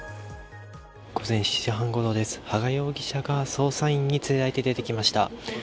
午前７時半すぎです、羽賀容疑者が捜査員に連れられて出てきました。